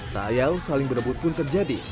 tayal saling berebut pun terjadi